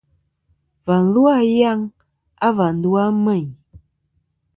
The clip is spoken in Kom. Và lu a yaŋ a va ndu a Meŋ.